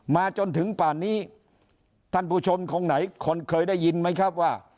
มาจนถึงป่านนี้ท่านผู้ชมคงไหนคนเคยได้ยินไหมครับว่า